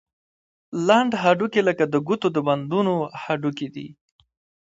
لنډ هډوکي لکه د ګوتو د بندونو هډوکي دي.